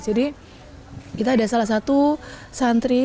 jadi kita ada salah satu santri